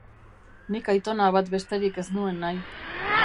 Nik aitona bat besterik ez nuen nahi.